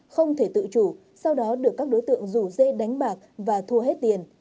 không thể tự chủ sau đó được các đối tượng rủ dê đánh bạc và thua hết tiền